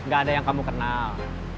gak ada yang kamu kenal